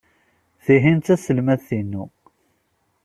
Tihin d taselmadt-inu.